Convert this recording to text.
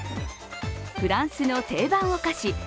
フランスの定番お菓子